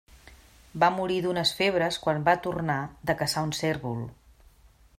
Va morir d'unes febres quan va tornar de caçar un cérvol.